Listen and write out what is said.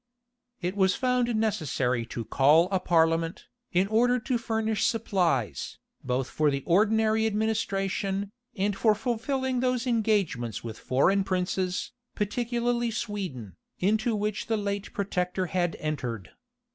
It was found necessary to call a parliament, in order to furnish supplies, both for the ordinary administration, and for fulfilling those engagements with foreign princes, particularly Sweden, into which the late protector had entered.